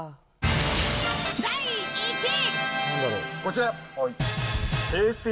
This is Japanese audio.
第１位。